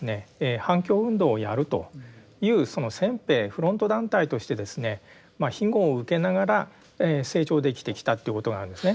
反共運動をやるという先兵フロント団体としてですね庇護を受けながら成長できてきたってことなんですね。